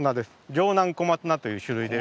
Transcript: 城南小松菜という種類です。